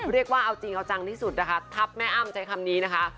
เรียกว่าเอาจริงเอาจังที่สุดนะคะทัพแม่อ้ำใช้คำนี้นะคะ